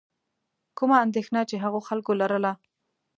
کومه اندېښنه چې هغو خلکو لرله.